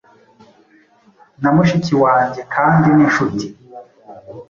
Na mushiki wanjyekandi ni nshuti.